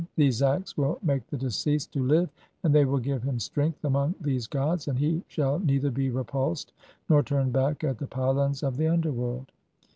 THESE ACTS WILL MAKE THE DECEASED TO LIVE, AND THEY WILL GIVE HIM STRENGTH AMONG (23) THESE GODS, AND HE SHALL NEITHER BE REPULSED NOR TURNED BACK AT THE PYLONS OF THE UNDERWORLD.